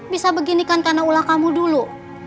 bisa begini kan karena ulah kamu dulu